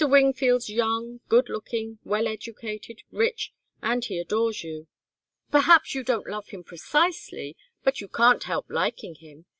Wingfield's young, good looking, well educated, rich, and he adores you. Perhaps you don't love him precisely, but you can't help liking him.